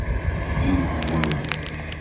Ehlo.